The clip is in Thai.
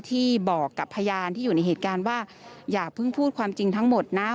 ที่บอกกับพยานที่อยู่ในเหตุการณ์ว่าอย่าเพิ่งพูดความจริงทั้งหมดนะ